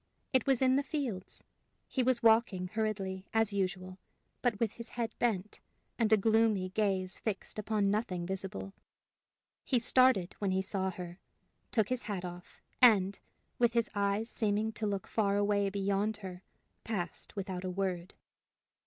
It was in the fields. He was walking hurriedly, as usual, but with his head bent, and a gloomy gaze fixed upon nothing visible. He started when he saw her, took his hat off, and, with his eyes seeming to look far away beyond her, passed without a word.